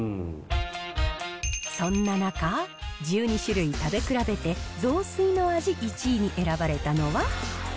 そんな中、１２種類食べ比べて、雑炊の味１位に選ばれたのは？